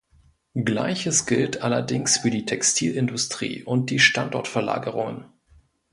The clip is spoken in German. Gleiches gilt allerdings für die Textilindustrie und die Standortverlagerungen.